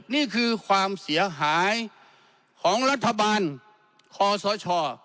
นี่คือความเสียหายของรัฐบาลคอสช